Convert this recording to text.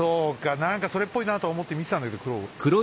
何かそれっぽいなと思って見てたんだけど黒を。